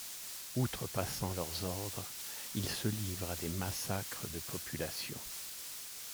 Outrepassant leurs ordres, ils se livrent à des massacres de populations.